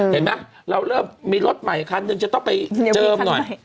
เห็นไหมเราเริ่มมีรถใหม่คันหนึ่งจะต้องไปเจิมหน่อย